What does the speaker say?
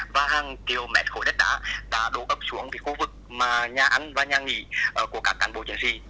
và hàng kiểu mẹt khối đất đá đã đổ ấp xuống khu vực nhà ăn và nhà nghỉ của các cán bộ chiến sĩ